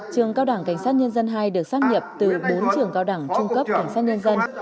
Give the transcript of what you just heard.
trường cao đảng cảnh sát nhân dân hai được xác nhập từ bốn trường cao đẳng trung cấp cảnh sát nhân dân